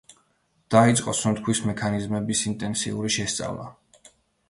დაიწყო სუნთქვის მექანიზმების ინტენსიური შესწავლა.